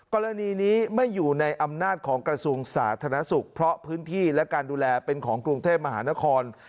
กรณีนี้ไม่อยู่ในอำนาจของกระทรวงสาธารณสุขเพราะพื้นที่และการดูแลเป็นของกรุงเทพมหานคร